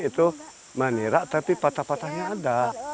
itu menira tapi patah patahnya ada